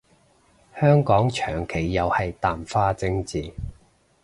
香港長期又係淡化政治